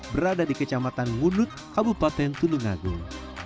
berada di kecamatan ngunut kabupaten telung agung